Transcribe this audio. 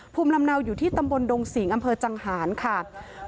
ภูมิลำเนาอยู่ที่ตำบลดงสิงห์อำเภอจังหารค่ะ